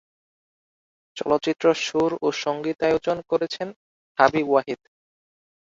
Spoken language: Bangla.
চলচ্চিত্র সুর ও সঙ্গীতায়োজন করেছেন হাবিব ওয়াহিদ।